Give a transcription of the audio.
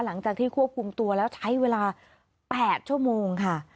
หลังจากที่ควบคุมตัวแล้วใช้เวลา๘ชั่วโมงค่ะ